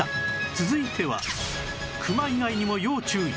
続いてはクマ以外にも要注意！